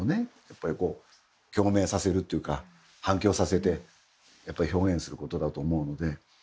やっぱりこう共鳴させるというか反響させて表現することだと思うので。